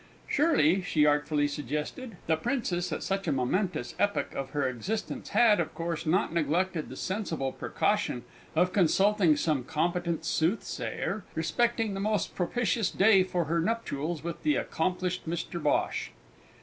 Surely, she artfully suggested, the Princess at such a momentous epoch of her existence had, of course, not neglected the sensible precaution of consulting some competent soothsayer respecting the most propitious day for her nuptials with the accomplished Mr Bhosh?...